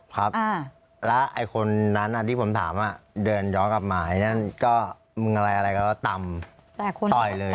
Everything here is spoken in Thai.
ครับแล้วไอ้คนนั้นที่ผมถามเดินย้อนกลับมานั่นก็มึงอะไรอะไรก็ต่ำต่อยเลย